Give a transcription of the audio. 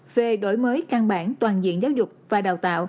về đổi mới căn bản toàn diện giáo dục và đào tạo